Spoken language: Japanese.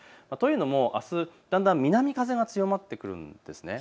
というのも、あす、だんだん南風が強まってくるんです。